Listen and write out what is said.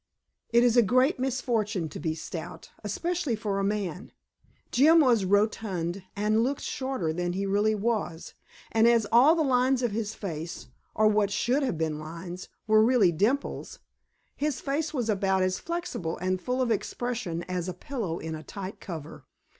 It is a great misfortune to be stout, especially for a man. Jim was rotund and looked shorter than he really was, and as all the lines of his face, or what should have been lines, were really dimples, his face was about as flexible and full of expression as a pillow in a tight cover.